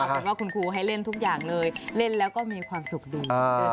เป็นว่าคุณครูให้เล่นทุกอย่างเลยเล่นแล้วก็มีความสุขดี